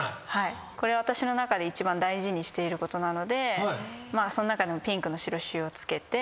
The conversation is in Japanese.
これは私の中で一番大事にしていることなのでその中でもピンクの印を付けて。